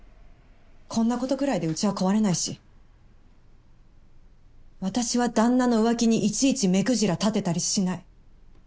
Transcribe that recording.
こんなことくらいでうちは壊れないし私は旦那の浮気にいちいち目くじら立てたりしない。